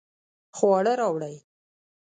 خواړه راوړئ